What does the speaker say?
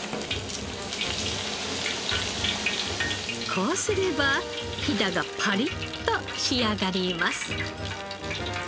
こうすればヒダがパリッと仕上がります。